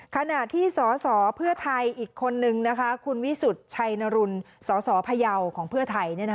ขณะที่สสเพื่อไทยอีกคนนึงคุณวิสุทธิ์ชัยนรุนสสพยาวของเพื่อไทย